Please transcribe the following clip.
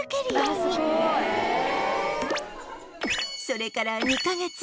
それから２カ月